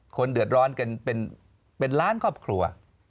คนเดือดร้อนกันเป็นล้านครอบครัว